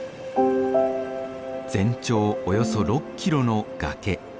全長およそ６キロの崖。